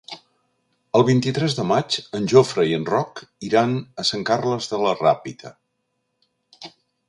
El vint-i-tres de maig en Jofre i en Roc iran a Sant Carles de la Ràpita.